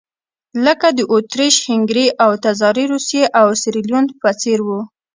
لکه د اتریش-هنګري او تزاري روسیې او سیریلیون په څېر وو.